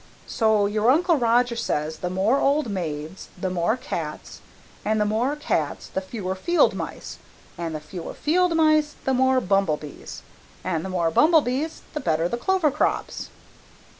So your Uncle Roger says the more old maids the more cats, and the more cats the fewer field mice, and the fewer field mice the more bumble bees, and the more bumble bees the better clover crops."